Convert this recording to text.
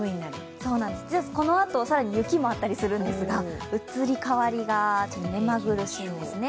そうなんです、このあと更に雪もあったりするんですが移り変わりがめまぐるしいです。